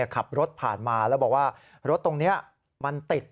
ขับรถผ่านมาแล้วบอกว่ารถตรงนี้มันติด